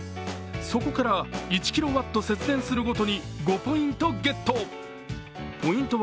そこから１キロワット節電するごとに５ポイントゲット。